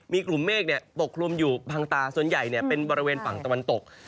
มีกลุ่มเมฆปกคลุมอยู่บางตาส่วนใหญ่เป็นบริเวณฝั่งตะวันตก